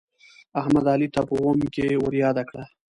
احمد، علي ته په اوم کې ورياده کړه.